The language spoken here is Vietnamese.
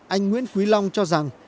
anh nguyễn quý long cho rằng